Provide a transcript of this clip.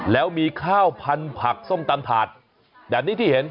แล้วมีข้าวพันธุ์ผักส้มตำถาดแบบนี้ที่เห็น